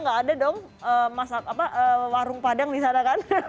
nggak ada dong warung padang di sana kan